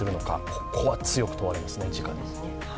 ここは強く問われますね。